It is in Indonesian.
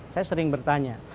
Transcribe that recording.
saya sering bertanya